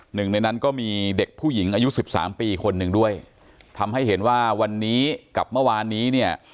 หนึ่งในนั้นก็มีเด็กผู้หญิงอายุสิบสามปีคนหนึ่งด้วยทำให้เห็นว่าวันนี้กับเมื่อวานนี้เนี่ย